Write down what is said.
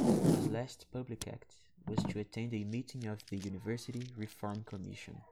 His last public act was to attend a meeting of the university reform commission.